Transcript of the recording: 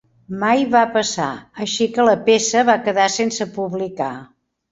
Mai va passar, així que la peça va quedar sense publicar.